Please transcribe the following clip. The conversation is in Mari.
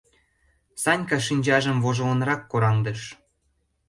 — Санька шинчажым вожылынрак кораҥдыш.